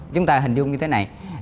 chúng ta hình dung như thế này